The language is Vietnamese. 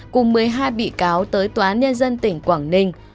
cùng một mươi hai bị cáo tới tòa án nhân dân tỉnh quảng ninh